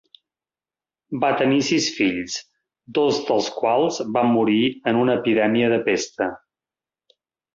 Van tenir sis fills, dos dels quals van morir en una epidèmia de pesta.